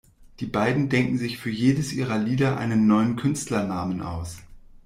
Die beiden denken sich für jedes ihrer Lieder einen neuen Künstlernamen aus.